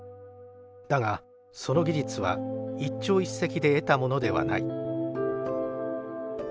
だがその技術は一朝一夕で得たものではない。